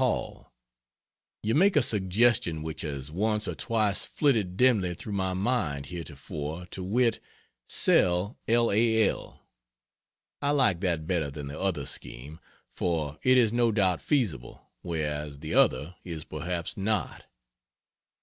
HALL, You make a suggestion which has once or twice flitted dimly through my mind heretofore to wit, sell L. A. L. I like that better than the other scheme, for it is no doubt feasible, whereas the other is perhaps not.